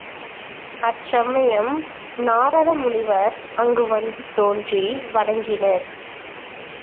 அச்சமயம், நாரத முனிவர் அங்கு வந்து தோன்றி வணங்கினர்.